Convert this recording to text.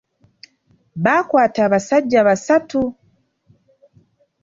Baakwata abasajja basatu.